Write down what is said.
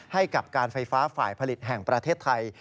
ให้กับการไฟฟ้าฝ่ายผลิตแห่งประเทศไทย